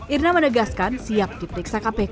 irna menegaskan siap diperiksa kpk